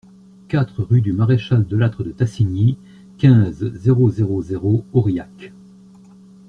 quatre rue du Maréchal De Lattre De Tassigny, quinze, zéro zéro zéro, Aurillac